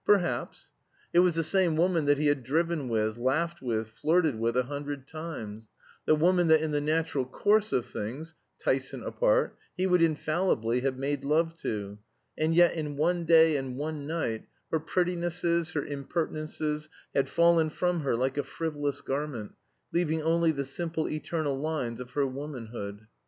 Perhaps. It was the same woman that he had driven with, laughed with, flirted with a hundred times the woman that in the natural course of things (Tyson apart) he would infallibly have made love to; and yet in one day and one night her prettinesses, her impertinences had fallen from her like a frivolous garment, leaving only the simple eternal lines of her womanhood.